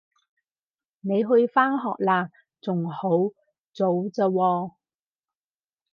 你去返學喇？仲好早咋喎